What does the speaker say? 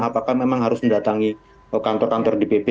apakah memang harus mendatangi kantor kantor dpp